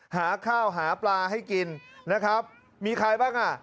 หาข้าวหาปลาให้กินนะครับมีใครบ้างอ่ะ